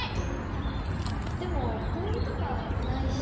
でもボールとかないし。